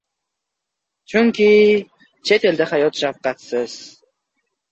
Chunki chet elda hayot shafqatsiz!"